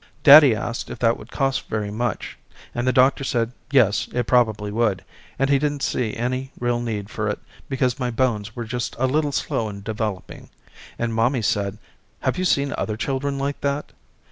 Daddy asked if that would cost very much and the doctor said yes it probably would and he didn't see any real need for it because my bones were just a little slow in developing, and mommy said have you seen other children like that?